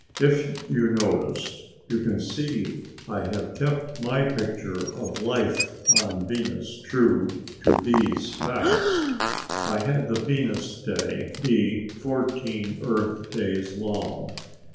If you noticed, you can see I have kept my picture of life on Venus true to these facts. I had the Venus day be fourteen Earth days long.